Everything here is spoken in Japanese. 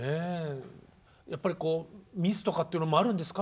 やっぱりミスとかっていうのもあるんですか？